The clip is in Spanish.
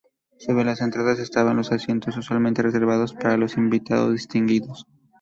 Sobre las entradas estaban los asientos usualmente reservados para los invitados distinguidos.